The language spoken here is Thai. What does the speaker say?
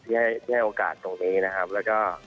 ได้โอกาสตรงนี้นะครับแล้วก็